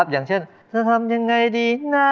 อย่างเช่นจะทำยังไงดีนะ